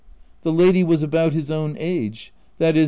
The lady was about his own age — i.e.